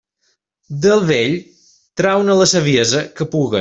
Del vell, trau-ne la saviesa que pugues.